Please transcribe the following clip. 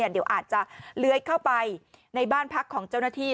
เดี๋ยวอาจจะเลื้อยเข้าไปในบ้านพักของเจ้าหน้าที่